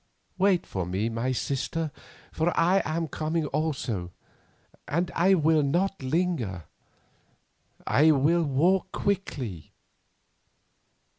Wait for me, my sister, for I am coming also, and I will not linger. I will walk quickly."